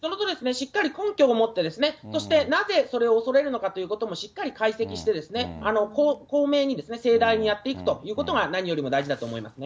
しっかり根拠も持ってですね、そして、なぜそれを恐れるのかということもしっかり解析して、公明に、盛大にやっていくということが何よりも大事だと思いますね。